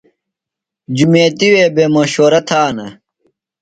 جُمیتیۡ وے بےۡ مشورہ تھانہ۔